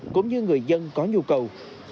cũng như người dân có nhu cầu